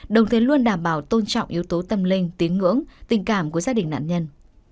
đồng thời luôn đảm bảo tôn trọng yếu tố tâm linh tín ngưỡng tình cảm của gia đình nạn nhân